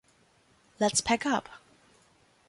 Let’s pack up.